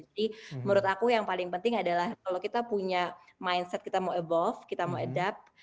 jadi menurut aku yang paling penting adalah kalau kita punya mindset kita mau evolve kita mau adapt